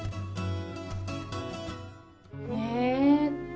へえ。